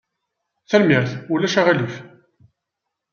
Tanemmirt. Ulac aɣilif!